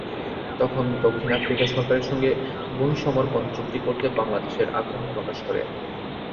তখন দক্ষিণ আফ্রিকা সরকারের সঙ্গে বহিঃসমর্পণ চুক্তি করতে বাংলাদেশ আগ্রহ প্রকাশ করে।